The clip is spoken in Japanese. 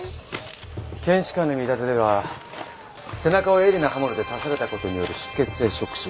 検視官の見立てでは背中を鋭利な刃物で刺された事による失血性ショック死。